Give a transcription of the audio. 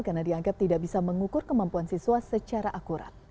karena dianggap tidak bisa mengukur kemampuan siswa secara akurat